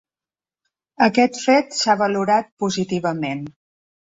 Aquest fet s’ha valorat positivament.